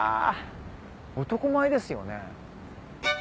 男前ですよね。